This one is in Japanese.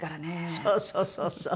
そうそうそうそう。